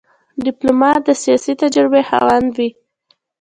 ډيپلومات د سیاسي تجربې خاوند وي.